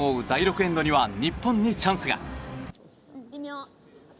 第６エンドには日本にチャンスが。